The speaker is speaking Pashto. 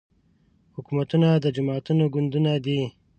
حکومتونه جماعتونه ګوندونه دي